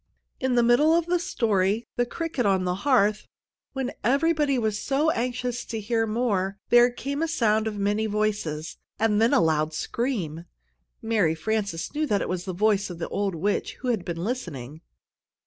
IN the middle of the story, "The Cricket on the Hearth," when everybody was so anxious to hear more, there came the sound of many voices, and then a loud scream. Mary Frances knew it was the voice of the old witch, who had been listening.